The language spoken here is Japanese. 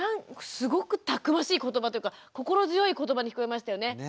すごくたくましい言葉というか心強い言葉に聞こえましたよね。